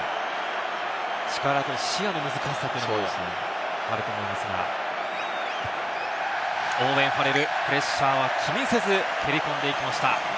力と視野の難しさもあると思いますが、オーウェン・ファレル、プレッシャーは気にせず蹴り込んでいきました。